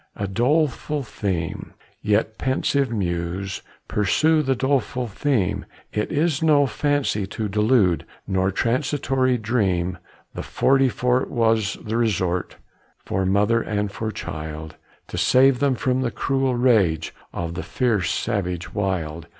A doleful theme; yet, pensive muse, Pursue the doleful theme; It is no fancy to delude, Nor transitory dream. The Forty Fort was the resort For mother and for child, To save them from the cruel rage Of the fierce savage wild.